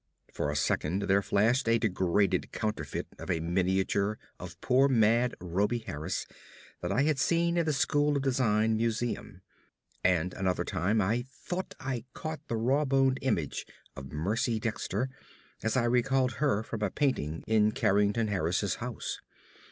For a second there flashed a degraded counterfeit of a miniature of poor mad Rhoby Harris that I had seen in the School of Design museum, and another time I thought I caught the raw boned image of Mercy Dexter as I recalled her from a painting in Carrington Harris's house.